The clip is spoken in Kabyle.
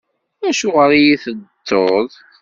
Acuɣeṛ i iyi-tettuḍ?